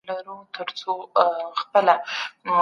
تاسو بايد د بېلابېلو فکرونو تر منځ توازن وساتئ.